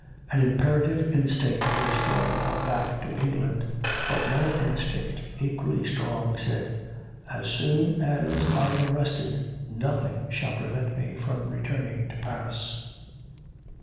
An imperative instinct was drawing her back to England, but another instinct equally strong said: 'As soon as I am rested, nothing shall prevent me from returning to Paris.'